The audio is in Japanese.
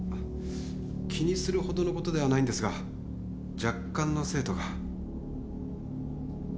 気にするほどのことではないんですが若干の生徒が。